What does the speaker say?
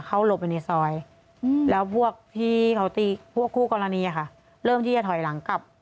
เขาหลบไปในซอยแล้วพวกพี่เขาตีพวกคู่กรณีค่ะเริ่มที่จะถอยหลังกลับ